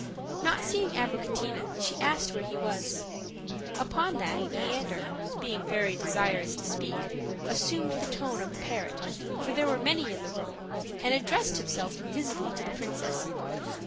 Not seeing Abricotina, she asked where she was. Upon that, Leander, being very desirous to speak, assumed the tone of a parrot, for there were many in the room, and addressed himself invisibly to the princess.